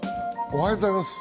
おはようございます。